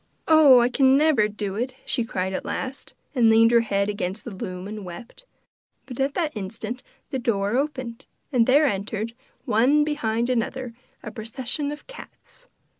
'Oh, I can never do it!' she cried at last, and leaned her head against the loom and wept; but at that instant the door opened, and there entered, one behind another, a procession of cats.